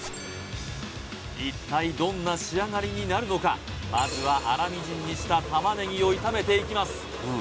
一体どんな仕上がりになるのかまずは粗みじんにした玉ねぎを炒めていきます